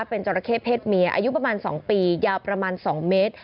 เป็นจราเข้เพศเมียอายุประมาณ๒ปียาวประมาณ๒เมตร